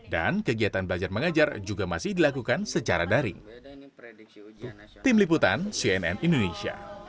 dan kegiatan belajar mengajar juga masih dilakukan secara daring